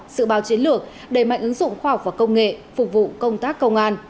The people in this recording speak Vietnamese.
sự báo chiến lược đầy mạnh ứng dụng khoa học và công nghệ phục vụ công tác công an